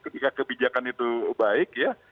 ketika kebijakan itu baik ya